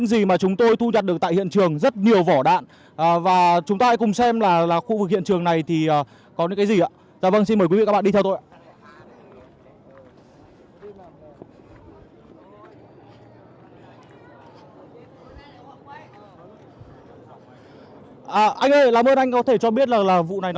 xin chào và hẹn gặp lại